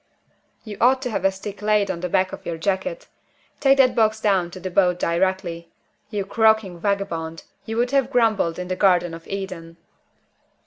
"You ought to have a stick laid on the back of your jacket. Take that box down to the boat directly. You croaking vagabond! You would have grumbled in the Garden of Eden."